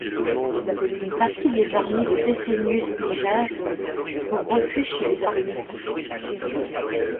Une partie des armées de Pescennius Niger trouve refuge chez les Parthes.